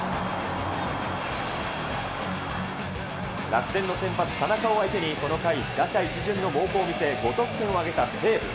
楽天の先発、田中を相手に、この回、打者一巡の猛攻を見せ、５得点を挙げた西武。